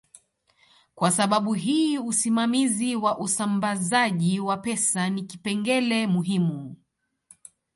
Kwa sababu hii usimamizi wa usambazaji wa pesa ni kipengele muhimu